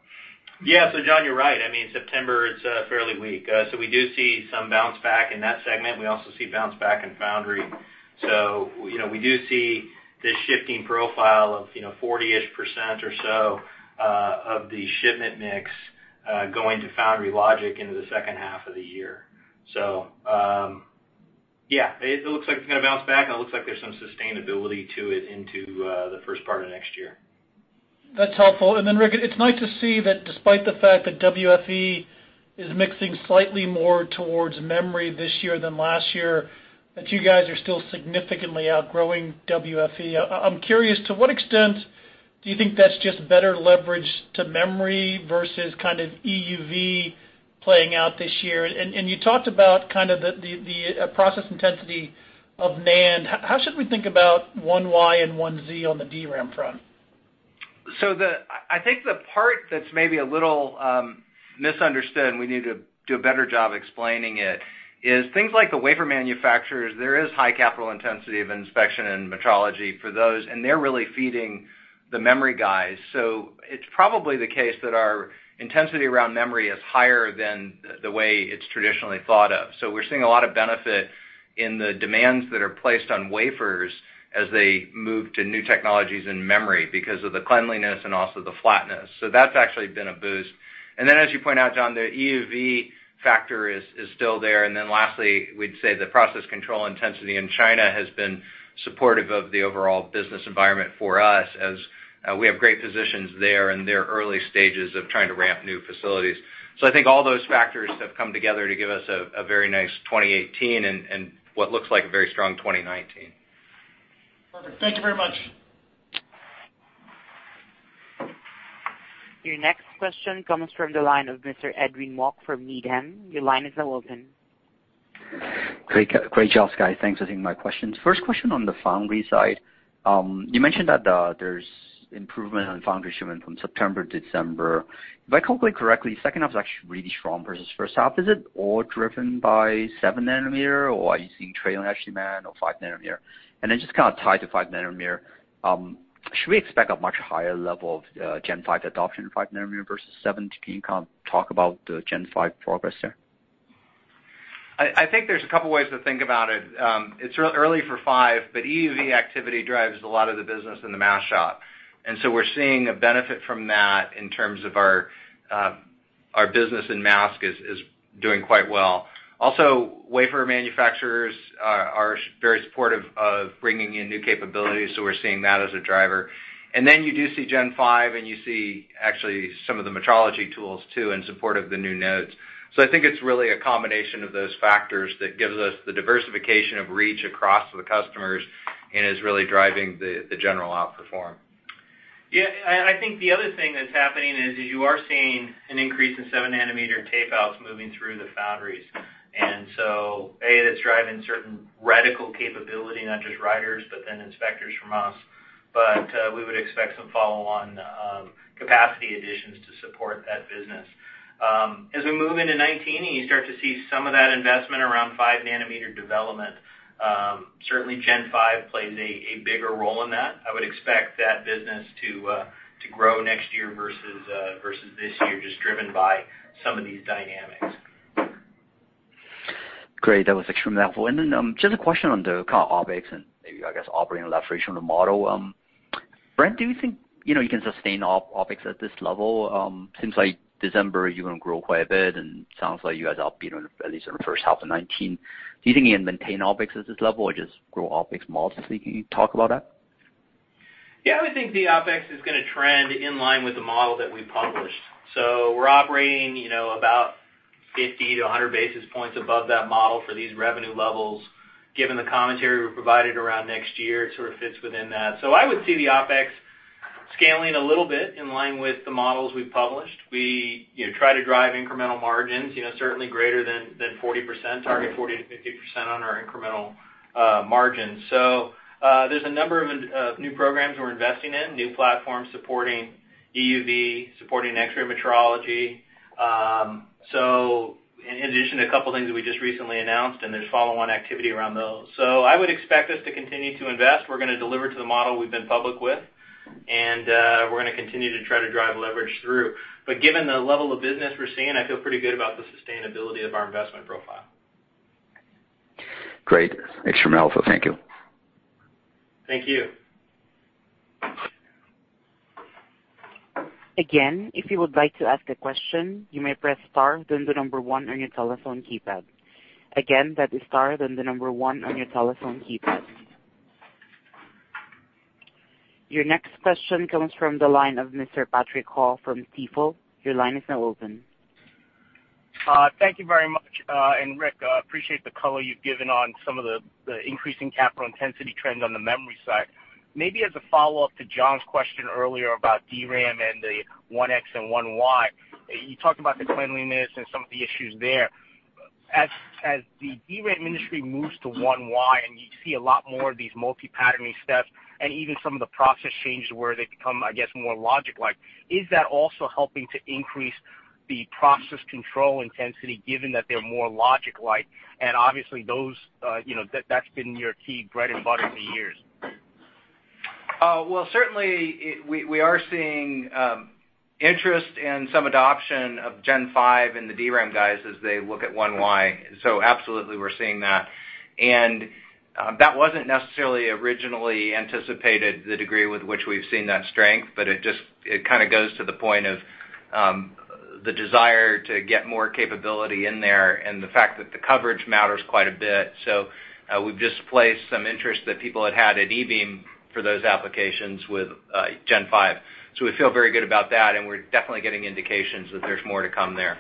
D: Yeah. John, you're right. I mean, September is fairly weak. We do see some bounce back in that segment. We also see bounce back in Foundry. We do see this shifting profile of 40-ish% or so of the shipment mix, going to Foundry Logic into the second half of the year. Yeah, it looks like it's going to bounce back, and it looks like there's some sustainability to it into the first part of next year.
L: That's helpful. Then Rick, it's nice to see that despite the fact that WFE is mixing slightly more towards memory this year than last year, that you guys are still significantly outgrowing WFE. I'm curious, to what extent do you think that's just better leverage to memory versus kind of EUV playing out this year? You talked about kind of the process intensity of NAND. How should we think about 1Y and 1Z on the DRAM front?
C: I think the part that's maybe a little misunderstood, and we need to do a better job explaining it, is things like the wafer manufacturers. There is high capital intensity of inspection and metrology for those, and they're really feeding the memory guys. It's probably the case that our intensity around memory is higher than the way it's traditionally thought of. We're seeing a lot of benefit in the demands that are placed on wafers as they move to new technologies in memory because of the cleanliness and also the flatness. That's actually been a boost. As you point out, John, the EUV factor is still there. Lastly, we'd say the process control intensity in China has been supportive of the overall business environment for us as we have great positions there in their early stages of trying to ramp new facilities. I think all those factors have come together to give us a very nice 2018, and what looks like a very strong 2019.
L: Perfect. Thank you very much.
A: Your next question comes from the line of Mr. Edwin Mok from Needham & Company. Your line is now open.
M: Great job, guys. Thanks for taking my questions. First question on the foundry side. You mentioned that there's improvement on foundry shipment from September to December. If I calculate correctly, second half is actually really strong versus first half. Is it all driven by 7nm, or are you seeing trailing edge demand or 5nm? Just kind of tied to 5nm, should we expect a much higher level of Gen 5 adoption in 5nm versus 7nm? Can you kind of talk about the Gen 5 progress there?
C: I think there's a couple of ways to think about it. It's early for five, but EUV activity drives a lot of the business in the mask shop. We're seeing a benefit from that in terms of our business in mask is doing quite well. Also, wafer manufacturers are very supportive of bringing in new capabilities, so we're seeing that as a driver. You do see Gen 5, and you see actually some of the metrology tools too, in support of the new nodes. I think it's really a combination of those factors that gives us the diversification of reach across the customers, and is really driving the general outperform.
D: Yeah, I think the other thing that's happening is you are seeing an increase in 7nm tape-outs moving through the foundries. A, it's driving certain reticle capability, not just writers, but then inspectors from us. We would expect some follow-on capacity additions to support that business. As we move into 2019, and you start to see some of that investment around 5nm development, certainly Gen 5 plays a bigger role in that. I would expect that business to grow next year versus this year, just driven by some of these dynamics.
M: Great. That was extremely helpful. Just a question on the kind of OpEx and maybe I guess operating leverage from the model. Bren, do you think you can sustain OpEx at this level? Seems like December you're going to grow quite a bit, and sounds like you guys are up, at least in the first half of 2019. Do you think you can maintain OpEx at this level or just grow OpEx modestly? Can you talk about that?
D: Yeah, I would think the OpEx is going to trend in line with the model that we published. We're operating about 50 to 100 basis points above that model for these revenue levels. Given the commentary we provided around next year, it sort of fits within that. I would see the OpEx scaling a little bit in line with the models we published. We try to drive incremental margins, certainly greater than 40%, target 40%-50% on our incremental margins. There's a number of new programs we're investing in, new platforms supporting EUV, supporting X-ray metrology. In addition to a couple of things that we just recently announced, and there's follow-on activity around those. I would expect us to continue to invest. We're going to deliver to the model we've been public with, and we're going to continue to try to drive leverage through. Given the level of business we're seeing, I feel pretty good about the sustainability of our investment profile.
M: Great. Extremely helpful. Thank you.
D: Thank you.
A: If you would like to ask a question, you may press star, then the number 1 on your telephone keypad. That is star, then the number 1 on your telephone keypad. Your next question comes from the line of Mr. Patrick Ho from Stifel. Your line is now open.
N: Thank you very much. Rick, I appreciate the color you've given on some of the increasing capital intensity trends on the memory side. Maybe as a follow-up to John's question earlier about DRAM and the 1X and 1Y. You talked about the cleanliness and some of the issues there. As the DRAM industry moves to 1Y, and you see a lot more of these multi-patterning steps and even some of the process changes where they become, I guess, more logic like, is that also helping to increase the process control intensity given that they're more logic like? Obviously that's been your key bread and butter for years.
C: Certainly we are seeing interest and some adoption of Gen 5 in the DRAM guys as they look at 1Y. Absolutely, we're seeing that. That wasn't necessarily originally anticipated, the degree with which we've seen that strength, it kind of goes to the point of the desire to get more capability in there, and the fact that the coverage matters quite a bit. We've displaced some interest that people had had at E-beam for those applications with Gen 5. We feel very good about that, and we're definitely getting indications that there's more to come there.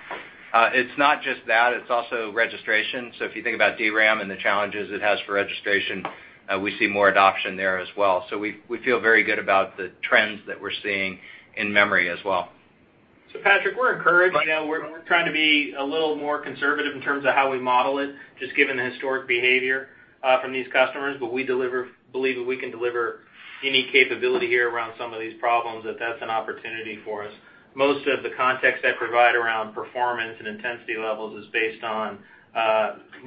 C: It's not just that, it's also registration. If you think about DRAM and the challenges it has for registration, we see more adoption there as well. We feel very good about the trends that we're seeing in memory as well.
D: Patrick, we're encouraged. We're trying to be a little more conservative in terms of how we model it, just given the historic behavior from these customers. We believe that we can deliver any capability here around some of these problems, that that's an opportunity for us. Most of the context I provide around performance and intensity levels is based on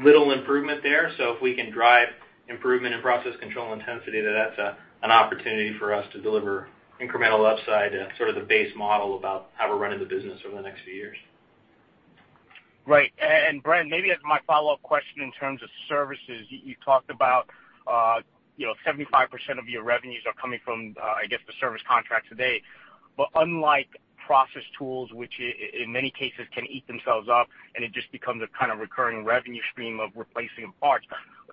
D: little improvement there. If we can drive improvement in process control intensity, that's an opportunity for us to deliver incremental upside and sort of the base model about how we're running the business over the next few years.
N: Right. Bren, maybe as my follow-up question in terms of services, you talked about 75% of your revenues are coming from, I guess, the service contracts today. But unlike process tools, which in many cases can eat themselves up and it just becomes a kind of recurring revenue stream of replacing parts,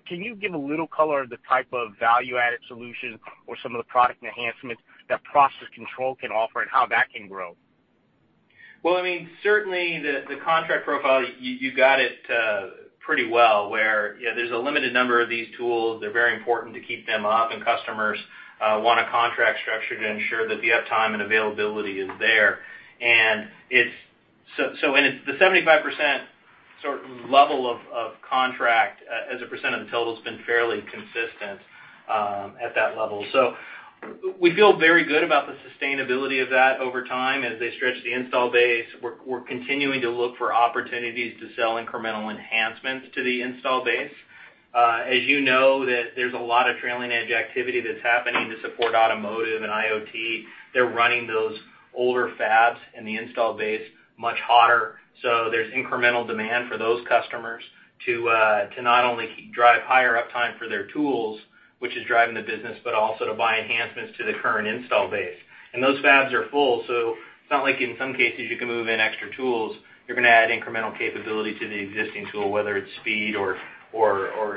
N: can you give a little color of the type of value-added solution or some of the product enhancements that process control can offer, and how that can grow?
D: Well, certainly, the contract profile, you got it pretty well, where there's a limited number of these tools. They're very important to keep them up, and customers want a contract structure to ensure that the uptime and availability is there. The 75% level of contract as a percent of the total has been fairly consistent at that level. We feel very good about the sustainability of that over time. As they stretch the install base, we're continuing to look for opportunities to sell incremental enhancements to the install base. As you know, there's a lot of trailing edge activity that's happening to support automotive and IoT. They're running those older fabs in the install base much hotter. There's incremental demand for those customers to not only drive higher uptime for their tools, which is driving the business, but also to buy enhancements to the current install base. Those fabs are full, so it's not like in some cases you can move in extra tools. You're going to add incremental capability to the existing tool, whether it's speed or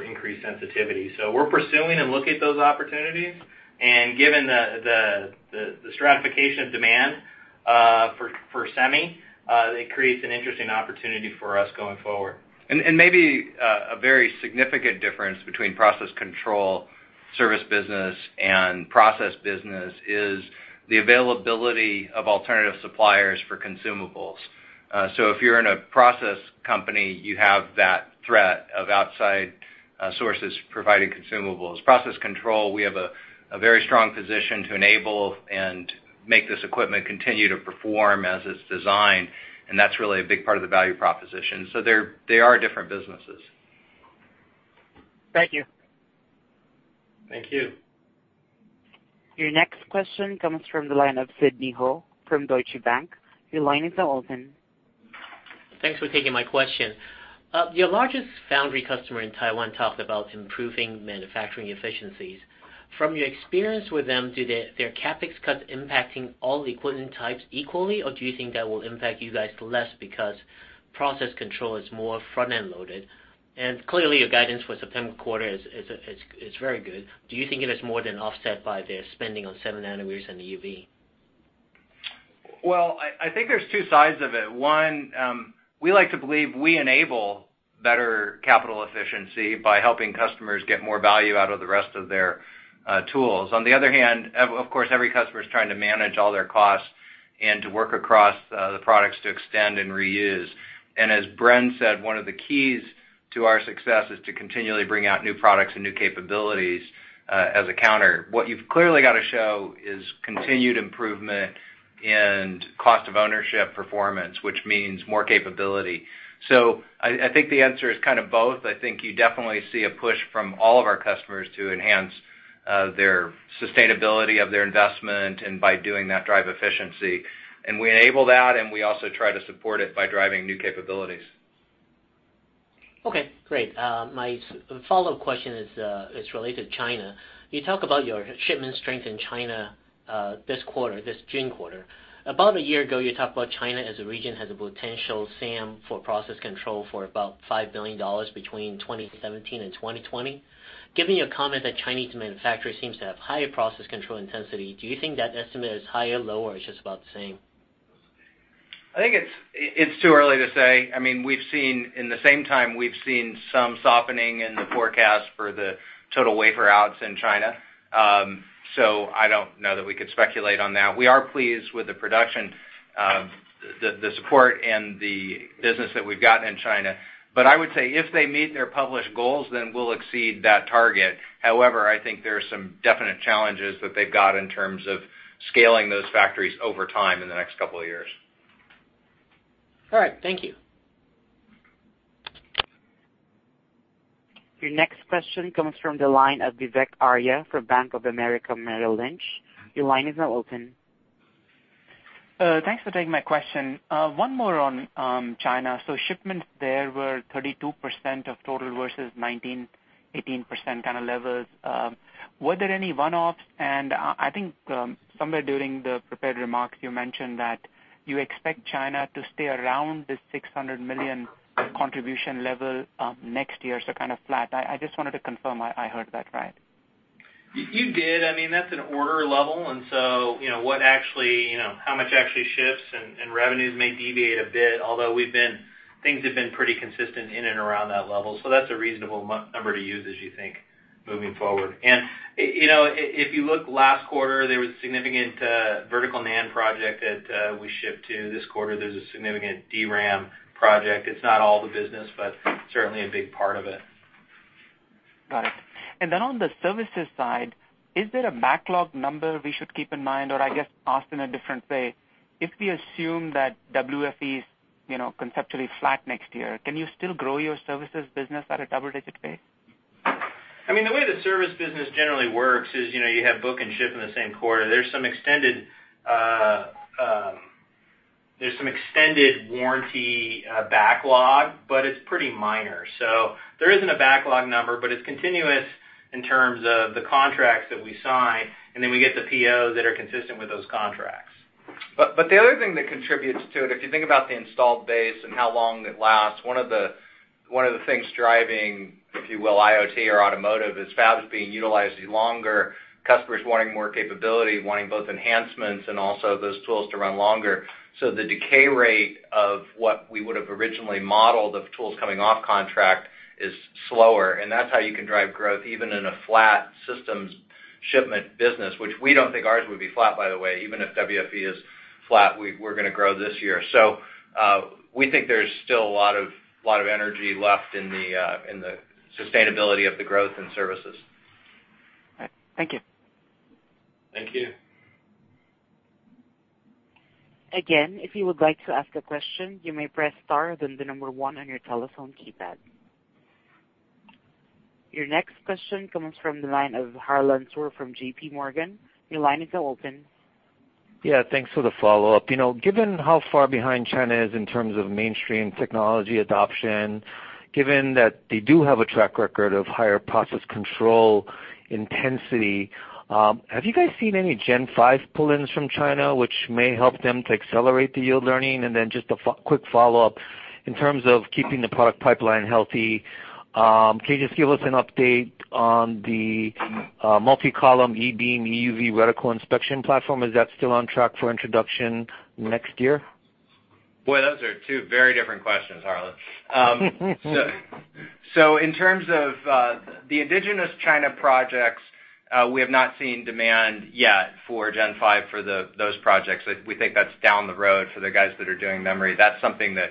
D: increased sensitivity. We're pursuing and look at those opportunities, and given the stratification of demand for semi, it creates an interesting opportunity for us going forward.
C: Maybe a very significant difference between process control service business and process business is the availability of alternative suppliers for consumables. If you're in a process company, you have that threat of outside sources providing consumables. Process control, we have a very strong position to enable and make this equipment continue to perform as it's designed, and that's really a big part of the value proposition. They are different businesses.
N: Thank you.
D: Thank you.
A: Your next question comes from the line of Sidney Ho from Deutsche Bank. Your line is now open.
O: Thanks for taking my question. Your largest foundry customer in Taiwan talked about improving manufacturing efficiencies. From your experience with them, do their CapEx cuts impacting all the equipment types equally, or do you think that will impact you guys less because process control is more front-end loaded? Clearly, your guidance for September quarter is very good. Do you think it is more than offset by their spending on 7nm and EUV?
C: I think there's two sides of it. One, we like to believe we enable better capital efficiency by helping customers get more value out of the rest of their tools. On the other hand, of course, every customer is trying to manage all their costs and to work across the products to extend and reuse. As Bren said, one of the keys to our success is to continually bring out new products and new capabilities as a counter. What you've clearly got to show is continued improvement in cost of ownership performance, which means more capability. I think the answer is kind of both. I think you definitely see a push from all of our customers to enhance their sustainability of their investment and by doing that, drive efficiency. We enable that, and we also try to support it by driving new capabilities.
O: Okay, great. My follow-up question is related to China. You talk about your shipment strength in China this quarter, this June quarter. About a year ago, you talked about China as a region has a potential SAM for process control for about $5 billion between 2017 and 2020. Given your comment that Chinese manufacturers seems to have higher process control intensity, do you think that estimate is higher, lower, or it's just about the same?
C: I think it's too early to say. In the same time, we've seen some softening in the forecast for the total wafer outs in China. I don't know that we could speculate on that. We are pleased with the production, the support, and the business that we've gotten in China. I would say if they meet their published goals, then we'll exceed that target. However, I think there are some definite challenges that they've got in terms of scaling those factories over time in the next couple of years.
O: All right. Thank you.
A: Your next question comes from the line of Vivek Arya for Bank of America Merrill Lynch. Your line is now open.
P: Thanks for taking my question. One more on China. Shipments there were 32% of total versus 19%-18% kind of levels. Were there any one-offs? I think somewhere during the prepared remarks, you mentioned that you expect China to stay around the $600 million contribution level next year, so kind of flat. I just wanted to confirm I heard that right.
D: You did. That's an order level, and so how much actually ships, and revenues may deviate a bit, although things have been pretty consistent in and around that level. That's a reasonable number to use as you think moving forward. If you look last quarter, there was a significant vertical NAND project that we shipped to. This quarter, there's a significant DRAM project. It's not all the business, but certainly a big part of it.
P: Got it. On the services side, is there a backlog number we should keep in mind? I guess asked in a different way, if we assume that WFE is conceptually flat next year, can you still grow your services business at a double-digit pace?
D: The way the service business generally works is you have book and ship in the same quarter. There's some extended warranty backlog, but it's pretty minor. There isn't a backlog number, but it's continuous in terms of the contracts that we sign, and then we get the POs that are consistent with those contracts
C: The other thing that contributes to it, if you think about the installed base and how long it lasts, one of the things driving, if you will, IoT or automotive, is fabs being utilized longer, customers wanting more capability, wanting both enhancements and also those tools to run longer. The decay rate of what we would've originally modeled of tools coming off contract is slower, and that's how you can drive growth even in a flat systems shipment business, which we don't think ours would be flat, by the way. Even if WFE is flat, we're going to grow this year. We think there's still a lot of energy left in the sustainability of the growth in services.
P: All right. Thank you.
C: Thank you.
A: If you would like to ask a question, you may press star then the number one on your telephone keypad. Your next question comes from the line of Harlan Sur from JP Morgan. Your line is now open.
F: Thanks for the follow-up. Given how far behind China is in terms of mainstream technology adoption, given that they do have a track record of higher process control intensity, have you guys seen any Gen 5 pull-ins from China which may help them to accelerate the yield learning? Just a quick follow-up, in terms of keeping the product pipeline healthy, can you just give us an update on the multi-column E-beam EUV reticle inspection platform? Is that still on track for introduction next year?
C: Boy, those are two very different questions, Harlan. In terms of the indigenous China projects, we have not seen demand yet for Gen 5 for those projects. We think that's down the road for the guys that are doing memory. That's something that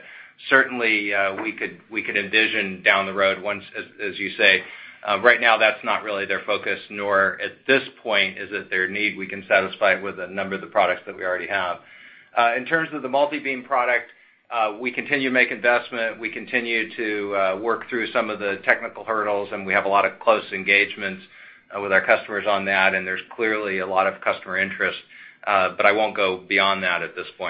C: certainly, we could envision down the road once, as you say. Right now, that's not really their focus, nor at this point is it their need. We can satisfy it with a number of the products that we already have. In terms of the multi-beam product, we continue to make investment. We continue to work through some of the technical hurdles, we have a lot of close engagements with our customers on that, there's clearly a lot of customer interest. I won't go beyond that at this point.